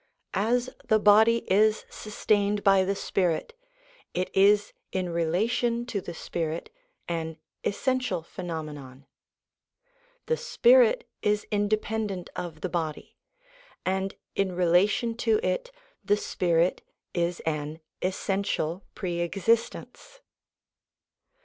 As the body is sustained by the spirit, it is in relation to the spirit an essential 315 316 SOME ANSWERED QUESTIONS phenomenon. The spirit is independent of the body, and in relation to it the spirit is an essential pre existence.